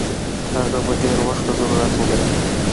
هغه به ډېر وخت ته ضرورت ولري.